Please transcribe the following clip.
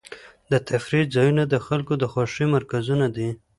د تفریح ځایونه د خلکو د خوښۍ مرکزونه دي.